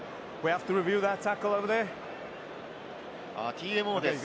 ＴＭＯです。